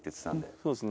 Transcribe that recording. そうですね。